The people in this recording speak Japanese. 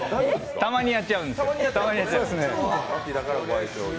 たまにやっちゃうんですよ。